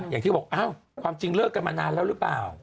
อย่างที่บอกอ้าวความจริงเลิกกันมานานแล้วหรือเปล่า